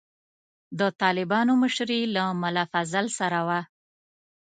د طالبانو مشري له ملا فاضل سره وه.